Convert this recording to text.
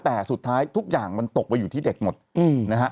แต่สุดท้ายทุกอย่างมันตกไปอยู่ที่เด็กหมดนะฮะ